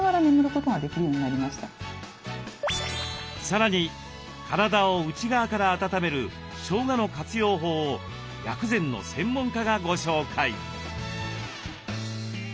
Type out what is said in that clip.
さらに体を内側から温めるしょうがの活用法を薬膳の専門家がご紹介。